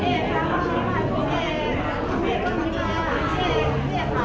พี่เอกต่อกล้องนี้หน่อยค่ะขอบคุณค่ะ